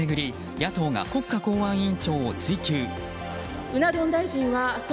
野党が国家公安委員長を追及。